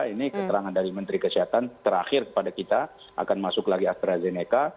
ini keterangan dari menteri kesehatan terakhir kepada kita akan masuk lagi astrazeneca